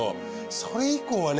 それ以降はね